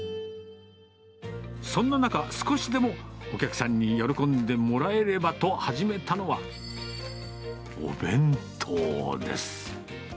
そんな中、少しでもお客さんに喜んでもらえればと始めたのは、お弁当です。